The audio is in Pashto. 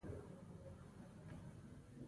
مسطر هغه ځایونه مې روهیال ته ور وښوول.